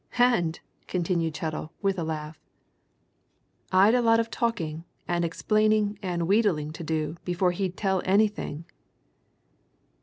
And," continued Chettle with a laugh, "I'd a lot of talking and explaining and wheedling to do before he'd tell anything."